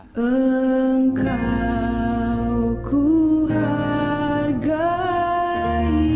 saya ingin menghargai